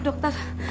tidak ada apa apa